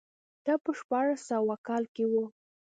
دا په شپاړس سوه کال کې و.